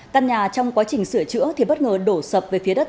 căn nhà trong quá trình sửa chữa thì bất ngờ đổ sập về phía đất